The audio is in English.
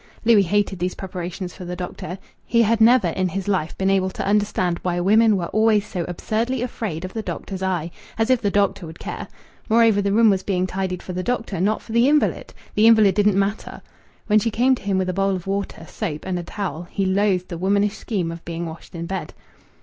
Louis hated these preparations for the doctor. He had never in his life been able to understand why women were always so absurdly afraid of the doctor's eye. As if the doctor would care! Moreover, the room was being tidied for the doctor, not for the invalid! The invalid didn't matter! When she came to him with a bowl of water, soap, and a towel, he loathed the womanish scheme of being washed in bed.